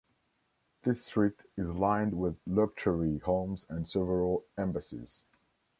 This street is lined with luxury homes and several embassies.